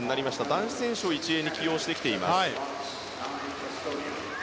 男子選手を１泳に起用してきています。